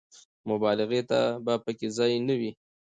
مبالغې ته به په کې ځای نه وي.